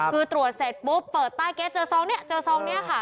คือตรวจเสร็จปุ๊บเปิดต้านเก็ตเจอซองนี้ค่ะ